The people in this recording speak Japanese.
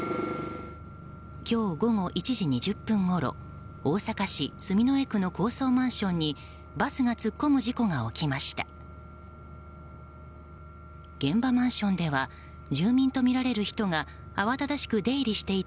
今日午後１時２０分ごろ大阪市住之江区の高層マンションにバスが突っ込む事故が起きました。